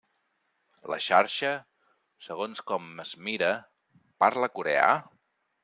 La xarxa, segons com es mire, parla coreà?